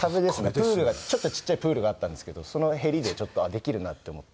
プールがちょっとちっちゃいプールがあったんですけどそのへりでちょっとできるなって思って。